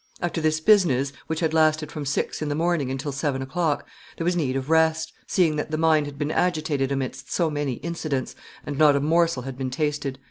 After this business, which had lasted from six in the morning until seven o'clock, there was need of rest, seeing that the mind had been agitated amidst so many incidents, and not a morsel had been tasted."